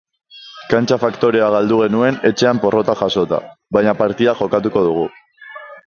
Kantxa faktorea galdu genuen etxean porrota jasota, baina partida jokatuko dugu.